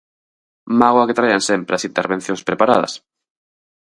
¡Mágoa que traian sempre as intervencións preparadas!